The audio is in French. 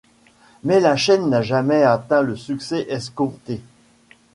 Mais la chaîne n'a jamais atteint le succès escompté.